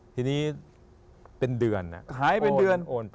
ทีนี้เป็นเดือนโอนไปเรียบร้อยหายไปเป็นเดือน